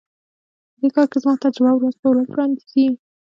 په دې کار کې زما تجربه ورځ په ورځ وړاندي ځي.